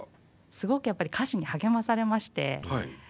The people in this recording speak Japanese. すごくやっぱり歌詞に励まされまして。